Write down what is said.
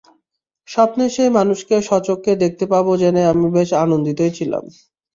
স্বপ্নের সেই মানুষকে স্বচক্ষে দেখতে পাবো জেনে আমি বেশ আনন্দিতই ছিলাম।